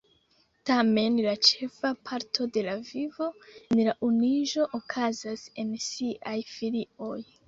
Tamen, la ĉefa parto de la vivo en la unuiĝo okazas en siaj filioj.